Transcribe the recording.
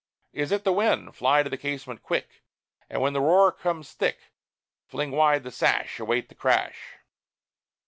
Is it the wind? Fly to the casement, quick, And when the roar comes thick, Fling wide the sash, Await the crash!